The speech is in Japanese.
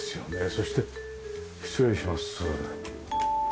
そして失礼します。